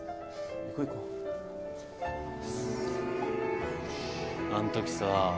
行こ行こあんときさ